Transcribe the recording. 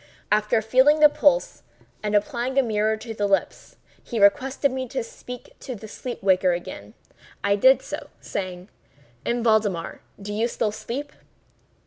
After feeling the pulse and applying a mirror to the lips, he requested me to speak to the sleep waker again. I did so, saying: "M. Valdemar, do you still sleep?"